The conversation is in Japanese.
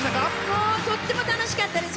もうとっても楽しかったです。